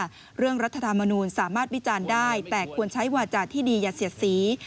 เรื่องรัฐธรรมนูลสามารถวิจารณ์ได้แต่ควรใช้วาจาที่ดีอย่าเสียดสี